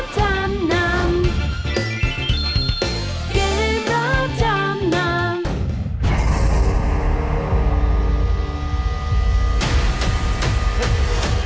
เกมรับจำนำ